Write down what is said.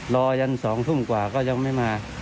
ยัน๒ทุ่มกว่าก็ยังไม่มา